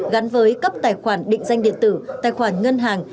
gắn với cấp tài khoản định danh điện tử tài khoản ngân hàng